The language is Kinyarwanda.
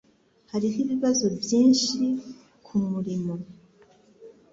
Hariho ibibazo byinshi kumurimo